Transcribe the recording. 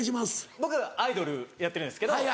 僕アイドルやってるんですけど。